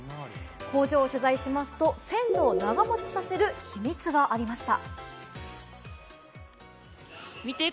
工場を取材しますと鮮度を長もちさせる秘密がありました。